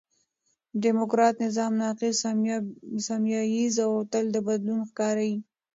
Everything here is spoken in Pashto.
ډيموکراټ نظام ناقص، سمیه ييز او تل د بدلون ښکار یي.